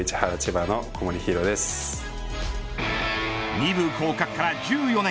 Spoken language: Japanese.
２部降格から１４年